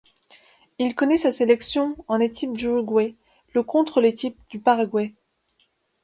Il connaît sa première sélection en équipe d'Uruguay le contre l'équipe du Paraguay.